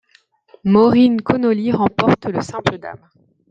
Maureen Connolly remporte le simple dames.